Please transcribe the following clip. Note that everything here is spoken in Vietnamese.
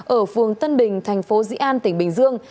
ở phường tân bình thành phố dĩ an tỉnh bình dương